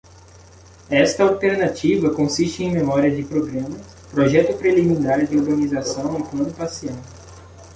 Esta alternativa consiste em memória de programa, projeto preliminar de urbanização e plano parcial.